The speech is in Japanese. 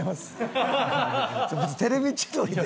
別に『テレビ千鳥』で。